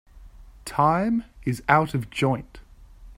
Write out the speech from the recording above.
Time is out of joint